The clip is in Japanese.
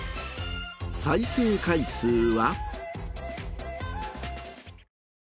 再生回数は。